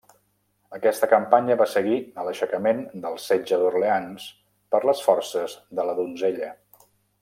Aquesta campanya va seguir a l'aixecament del Setge d'Orleans per les forces de la Donzella.